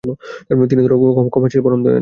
তিনি তো ক্ষমাশীল, পরম দয়ালু।